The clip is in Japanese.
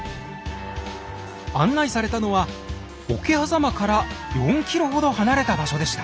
案内されたのは桶狭間から４ｋｍほど離れた場所でした。